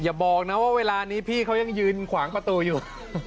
อย่าบอกนะว่าเวลานี้พี่เขายังยืนขวางประตูอยู่